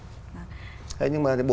thế nhưng mà